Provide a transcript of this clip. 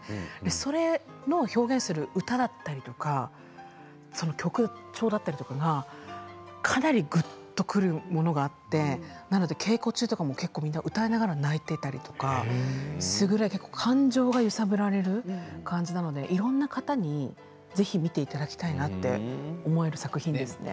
それの表現する歌だったりとか曲調だったりとかがかなりぐっとくるものがあって稽古中とかもみんな歌いながら泣いていたりとかするぐらい感情が揺さぶられる感じなのでいろいろな方にぜひ見ていただきたいなって思える作品ですね。